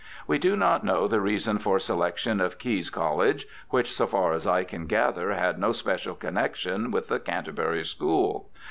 We do not know the reason for selection of Gains College, which, so far as I can gather, had no special connexion with the Canterbury school.